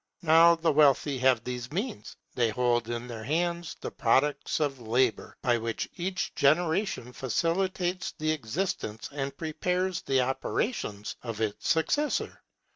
Now the wealthy have these means; they hold in their hands the products of labour, by which each generation facilitates the existence and prepares the operations of its successor.